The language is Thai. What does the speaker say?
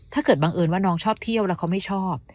บังเอิญว่าน้องชอบเที่ยวแล้วเขาไม่ชอบ